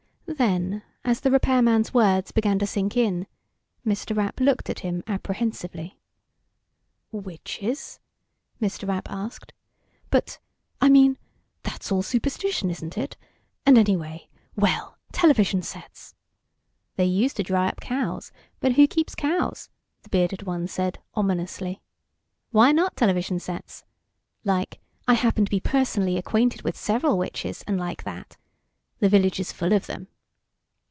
Then, as the repairman's words began to sink in, Mr. Rapp looked at him apprehensively. "Witches?" Mr. Rapp asked. "But ... I mean, that's all superstition, isn't it? And anyway ... well, television sets!" "They used to dry up cows, but who keeps cows?" the bearded one said ominously. "Why not television sets? Like, I happen to be personally acquainted with several witches and like that. The Village is full of them.